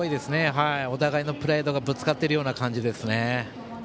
お互いのプライドがぶつかっている感じですね。